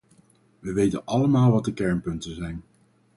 We weten allemaal wat de kernpunten zijn.